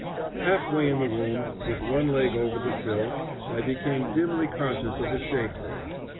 Halfway in the room, with one leg over the sill, I became dimly conscious of a shape there.